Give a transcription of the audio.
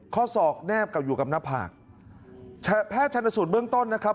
ข้อศอกแนบกับอยู่กับหน้าผากแพทย์ชนสูตรเบื้องต้นนะครับ